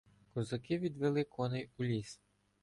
Козаки відвели коней у ліс.